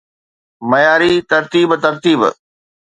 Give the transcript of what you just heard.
معياري ترتيب ترتيب